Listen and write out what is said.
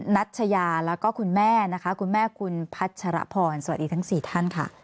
นัชยาแล้วก็คุณแม่นะคะคุณแม่คุณพัชรพรสวัสดีทั้ง๔ท่านค่ะ